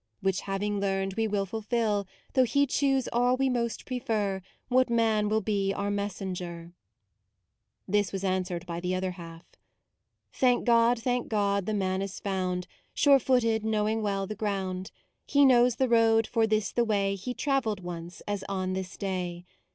Which having learned, we will fulfil, Though He choose all we most prefer : What man will be our messenger ?" This was answered by the other half: "Thank God, thank God, the Man is found, Sure footed, knowing well the ground. He knows the road, for this the way MAUDE 79 He travelled once, as on this day.